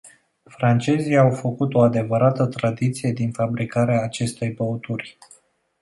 Francezii au făcut o adevărată tradiție din fabricarea acestei băuturi.